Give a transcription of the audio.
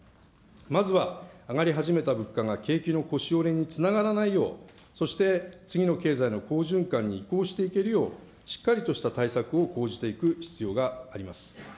まずは上がり始めた物価が景気の腰折れにつながらないようそして次の経済の好循環に移行していけるよう、しっかりとした対策を講じていく必要があります。